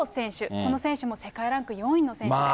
この選手の世界ランク４位の選手ですね。